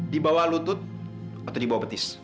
di bawalah lutut atau di bawah petis